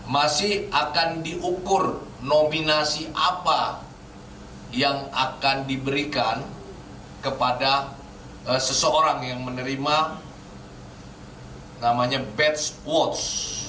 masih akan diukur nominasi apa yang akan diberikan kepada seseorang yang menerima badge awards